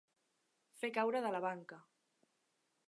Fer caure de la banca.